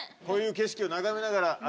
こういう景色を眺めながら。